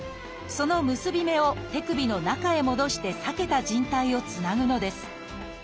その結び目を手首の中へ戻して裂けた靭帯をつなぐのです。